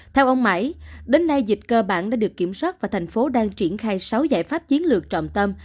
theo ông mãi đến nay dịch cơ bản đã được kiểm soát và thành phố đang triển khai sáu giải pháp chiến lược trọng tâm